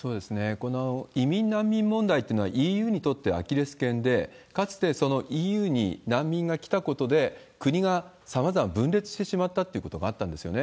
この移民、難民問題というのは、ＥＵにとってアキレスけんで、かつてＥＵに難民が来たことで、国がさまざま分裂してしまったっていうことがあったんですよね。